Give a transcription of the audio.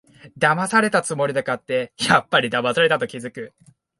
だまされたつもりで買って、やっぱりだまされたと気づく